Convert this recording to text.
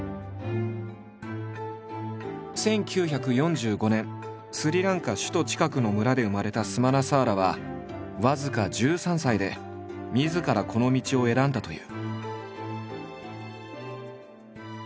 １９４５年スリランカ首都近くの村で生まれたスマナサーラは僅か１３歳でみずからこの道を選んだという。